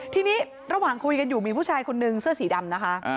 ทีนี้ระหว่างคุยกันอยู่มีผู้ชายคนนึงเสื้อสีดำนะคะ